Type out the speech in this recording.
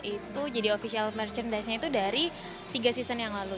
itu jadi official merchandise nya itu dari tiga season yang lalu